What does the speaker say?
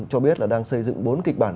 cho biết là đang xây dựng bốn kịch bản